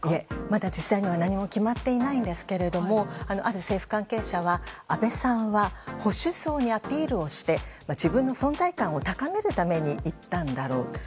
まだ実際には決まっていないんですがある政府関係者は、安倍さんは保守層にアピールをして自分の存在感を高めるために言ったんだろうと。